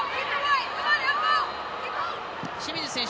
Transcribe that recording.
清水選手